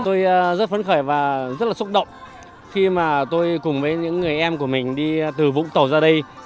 tôi rất phấn khởi và rất là xúc động khi mà tôi cùng với những người em của mình đi từ vũng tàu ra đây